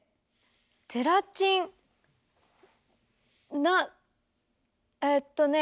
ゼラチンなえっとねぇ。